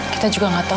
kita juga gak tahu